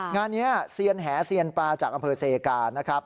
งานนี้เซียนแหเซียนปลาจากอำเภอเซกานะครับ